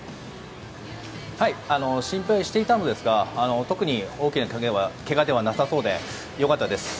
心配していたんですが特に大きなけがではなさそうで良かったです。